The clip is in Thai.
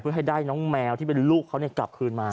เพื่อให้ได้น้องแมวที่เป็นลูกเขากลับคืนมา